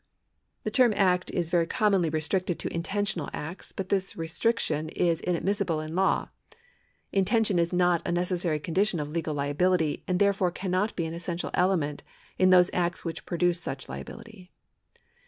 The term act is very commonly restricted to intentional acts, but this restriction is inadmissible in law. Intention is not a necessary condition of legal liability, and therefore can not be an essential element in those acts which produce such liability.